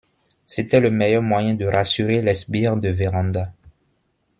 c'était le meilleur moyen de rassurer les sbires de Vérand'a.